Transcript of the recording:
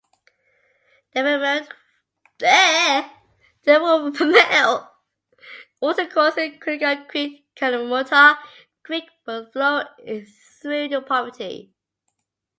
The ephemeral watercourses Karinga Creek and Kalamurta Creek both flow through the property.